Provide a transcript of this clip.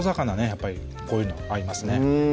やっぱりこういうの合いますね